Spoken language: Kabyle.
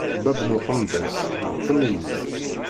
Bab n ukembas d ttemyiz.